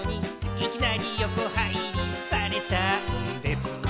「いきなりよこはいりされたんです」